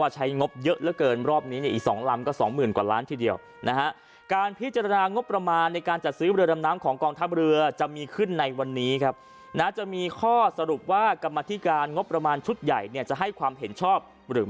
เช่นเดียวกันต้องมองสองทางเสมอนะครับ